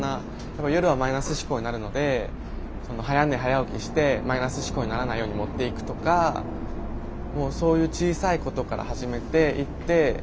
やっぱ夜はマイナス思考になるので早寝早起きしてマイナス思考にならないように持っていくとかそういう小さいことから始めていって。